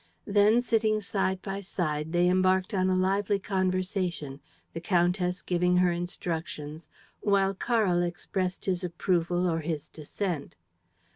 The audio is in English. Then, sitting side by side, they embarked on a lively conversation, the countess giving her instructions, while Karl expressed his approval or his dissent.